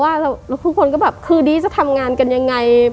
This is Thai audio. ทุกคนก็แบบคือดีจะทำงานกันยังไง